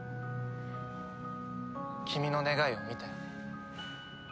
君の願いを見たよ。